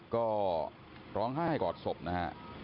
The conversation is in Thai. ก็ร้องไห้กอดศพนะฮะ